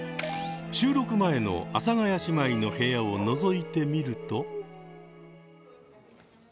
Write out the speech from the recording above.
収録前の阿佐ヶ谷姉妹の部屋をのぞいてみると。